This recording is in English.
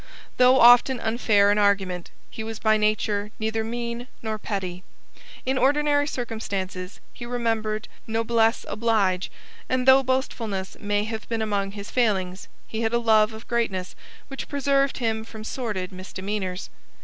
Though often unfair in argument, he was by nature neither mean nor petty. In ordinary circumstances he remembered noblesse oblige, and though boastfulness may have been among his failings, he had a love of greatness which preserved him from sordid misdemeanours.